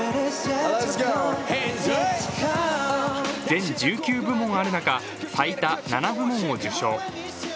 全１９部門ある中、最多７部門を受賞。